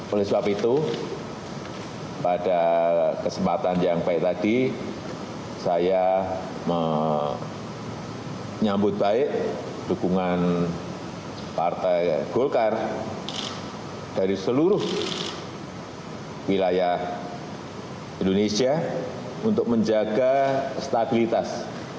oleh sebab itu pada kesempatan yang baik tadi saya menyambut baik dukungan partai gulkar dari seluruh wilayah indonesia untuk menjaga stabilitas